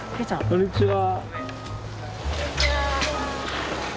こんにちは。